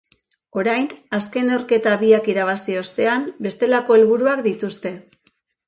Orain, azken neurketa biak irabazi ostean, bestelako helburuak dituzte.